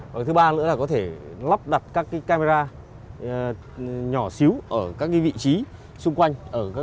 và thứ ba nữa là có thể lắp đặt các camera nhỏ xíu ở các cái vị trí xung quanh